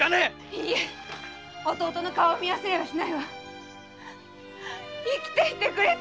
いいえ弟の顔を見忘れはしないわ生きていてくれたのね。